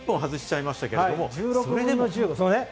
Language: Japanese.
１６分の１５。